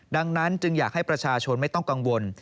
ดังนั้นจึงอยากให้ประชาชนไม่ต้องกังวล